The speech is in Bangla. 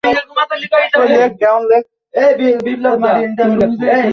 আমার বাবা এমন ঘটনার শিকার হয়েছেন, এটা বিশ্বাস করতে পারছি না।